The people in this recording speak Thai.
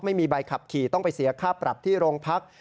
ไม่มีใบขับขี่ต้องไปเสียค่าปรับที่โรงพัก